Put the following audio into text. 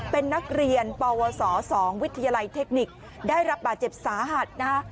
เป็นนักเรียนปวส๒วิทยาลัยเทคนิคได้รับบาดเจ็บสาหัสนะคะ